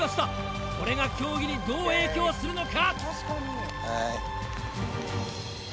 これが競技にどう影響するのか？